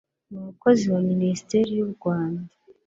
umukozi wa minisiteri y u rwanda